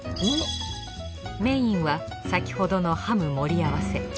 メインは先ほどのハム盛り合わせ。